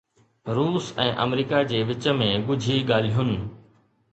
روس ۽ آمريڪا جي وچ ۾ ڳجهي ڳالهين